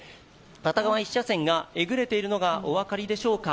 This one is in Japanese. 片側１車線がえぐれているのがお分かりでしょうか？